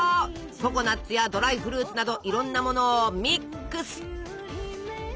ココナツやドライフルーツなどいろんなものをミックス！